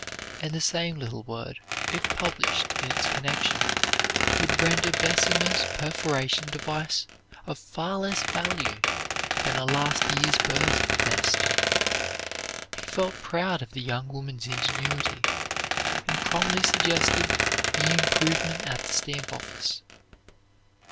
And the same little word, if published in its connection, would render Bessemer's perforation device of far less value than a last year's bird's nest. He felt proud of the young woman's ingenuity, and promptly suggested the improvement at the stamp office.